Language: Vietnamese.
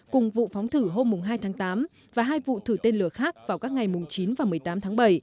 cùng vụ phóng thử hôm hai tháng tám và hai vụ thử tên lửa khác vào các ngày chín và một mươi tám tháng bảy